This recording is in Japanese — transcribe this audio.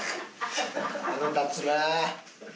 腹立つなあ！